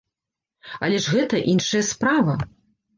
Але ж гэта іншая справа.